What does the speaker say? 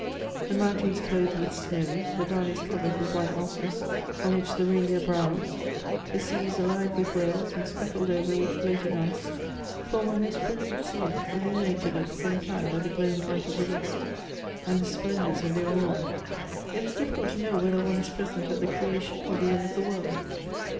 The mountains clothed with snow, the valleys covered with white mosses, on which the reindeer browse, the seas alive with whales, and speckled over with floating ice, form a most brilliant scene, illuminated at the game time by the glowing light of the west, and the splendours of the Aurora ; it is difficult to know whether one is present at the creation or the end of the world.